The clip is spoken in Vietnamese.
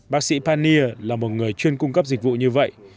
bác sĩ panier là một người chuyên cung cấp dịch vụ như vậy